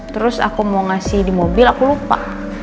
terus aku mau ngasih di mobil aku lupa